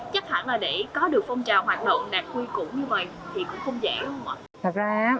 chắc hẳn là để có được phong trào hoạt động đạt quy cụ như vậy thì cũng không dễ không ạ